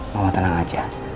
mama tenang aja